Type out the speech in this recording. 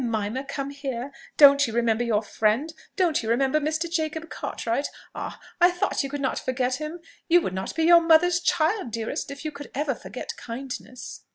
Mimima, come here. Don't you remember your friend? don't you remember Mr. Jacob Cartwright? Ah! I thought you could not forget him! You would not be your mother's child, dearest, if you could ever forget kindness."